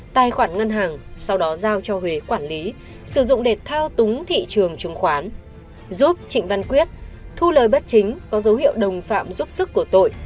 tài khoản ngân hàng sau đó giao cho huế quản lý sử dụng để thao túng thị trường chứng khoán giúp trịnh văn quyết thu lời bất chính có dấu hiệu đồng phạm giúp sức của tội